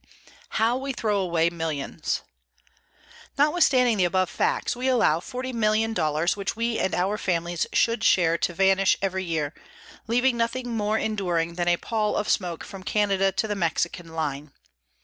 HOW WE THROW AWAY MILLIONS Notwithstanding the above facts, we allow $40,000,000 which we and our families should share to vanish every year, leaving nothing more enduring than a pall of smoke from Canada to the Mexican line.